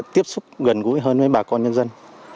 tiếp xúc gần gũi hơn với bà con nhân dân